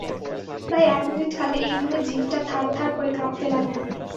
প্রায় এক মিনিটকাল এইভাবে জিভটা থারথার করে কাঁপতে লাগল।